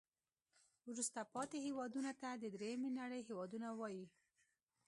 وروسته پاتې هیوادونو ته د دریمې نړۍ هېوادونه وایي.